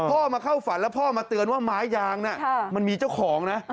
พ่อมาเข้าฝันแล้วพ่อมาเตือนว่าไม้ยางน่ะมันมีเจ้าของนะ